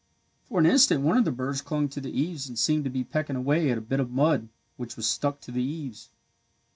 For an instant one of the birds clung to the eaves and seemed to be pecking away at a bit of mud which was stuck to the eaves.